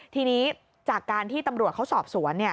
ทีนี้จากการที่ตำรวจเขาสอบสวน